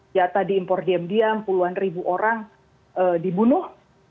ya tadi impor diam diam puluhan ribu orang dibunuh